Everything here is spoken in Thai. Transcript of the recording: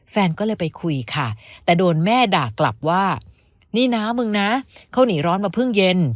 แฟนก็เลยไปคุยค่ะแต่โดนแม่ด่ากลับว่านี่น้ามึงนะเขาหนีร้อนมาเพิ่งเย็น